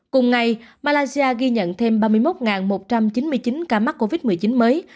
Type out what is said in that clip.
cùng ngày malaysia ghi nhận thêm ba mươi một một trăm chín mươi chín ca mắc covid một mươi chín mới